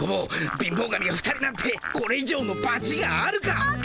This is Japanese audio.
貧乏神が２人なんてこれ以上のばちがあるか！